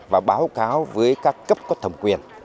và báo cáo với các cấp có thẩm quyền